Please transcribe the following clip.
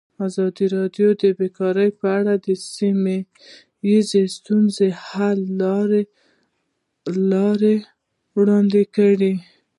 ازادي راډیو د بیکاري په اړه د سیمه ییزو ستونزو حل لارې راوړاندې کړې.